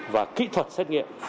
và kỹ thuật xét nghiệm